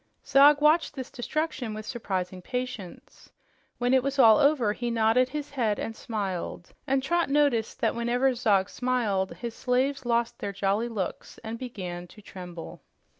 Zog watched this destruction with surprising patience. When it was all over, he nodded his head and smiled, and Trot noticed that whenever Zog smiled, his slaves lost their jolly looks and began to tremble.